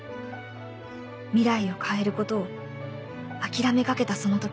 未来を変えることを諦めかけたその時